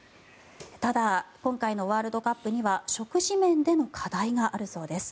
ただ、今回のワールドカップには食事面での課題があるそうです。